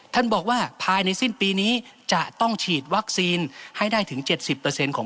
ท่านบอกว่าภายในสิ้นปีนี้จะต้องฉีดวัคซีนให้ได้ถึงเจ็ดสิบเปอร์เซ็นต์ของ